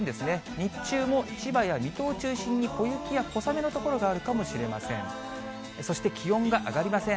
日中も千葉や水戸を中心に、小雪や小雨の所があるかもしれません。